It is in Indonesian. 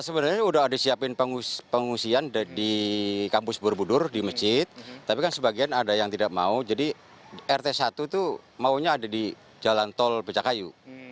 sebenarnya sudah ada siapin pengungsian di kampus borobudur di masjid tapi kan sebagian ada yang tidak mau jadi rt satu itu maunya ada di jalan tol becakayu